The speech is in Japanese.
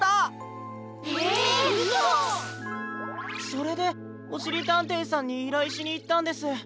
それでおしりたんていさんにいらいしにいったんです。